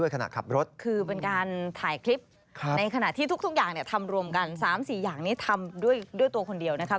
ขณะขับรถคือเป็นการถ่ายคลิปในขณะที่ทุกอย่างเนี่ยทำรวมกัน๓๔อย่างนี้ทำด้วยตัวคนเดียวนะคะ